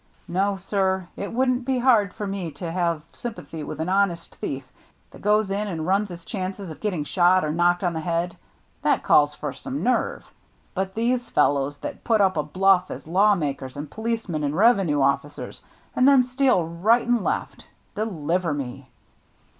No, sir, it wouldn't be hard for me to have sympathy with an honest thief that goes THE NEW MATE 55 in and runs his chances of getting shot or knocked on the head, — that calls for some nerve, — but these fellows that put up a biufF as lawmakers and policemen and revenue officers and then steal right and left — deliver me!"